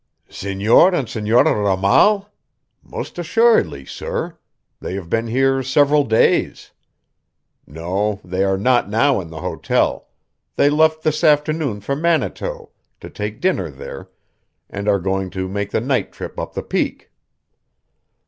"Senor and Senora Ramal? Most assuredly, sir. They have been here several days. No, they are not now in the hotel. They left this afternoon for Manitou, to take dinner there, and are going to make the night trip up the Peak."